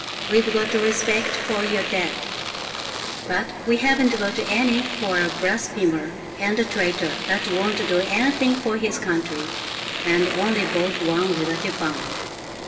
We've got respect for your dead, but we haven't got any for a blasphemer and a traitor that won't do anything for his country and only bought one Liberty Bond."